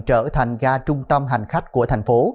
trở thành ga trung tâm hành khách của thành phố